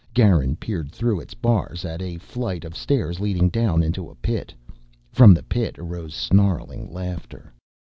Garin peered through its bars at a flight of stairs leading down into a pit. From the pit arose snarling laughter.